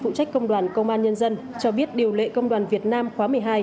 phụ trách công đoàn công an nhân dân cho biết điều lệ công đoàn việt nam khóa một mươi hai